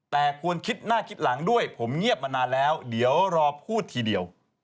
แต่ควรคิดหน้าคิดหลังด้วยผมเงียบมานานแล้วเดี๋ยวรอพูดทีเดียว